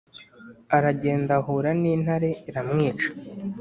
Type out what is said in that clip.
Aragenda ahura n intare iramwica